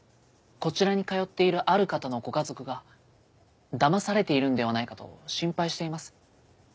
こちらに通っているある方のご家族がだまされているのではないかと心配しています。